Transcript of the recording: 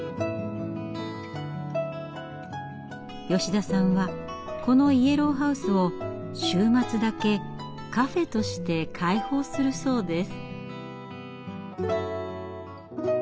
吉田さんはこのイエローハウスを週末だけカフェとして開放するそうです。